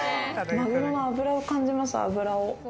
マグロの脂を感じます。